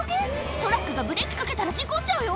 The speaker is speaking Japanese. トラックがブレーキかけたら事故っちゃうよ